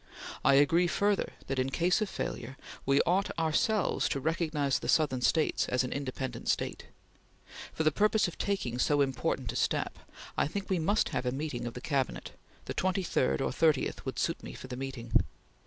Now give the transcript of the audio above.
I agree further that in case of failure, we ought ourselves to recognize the Southern States as an independent State. For the purpose of taking so important a step, I think we must have a meeting of the Cabinet. The 23d or 30th would suit me for the meeting.